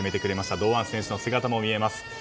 堂安選手の姿も見えます。